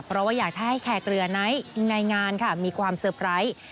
เพราะว่าอยากจะให้แขกเรือในงานค่ะมีความเซอร์ไพรส์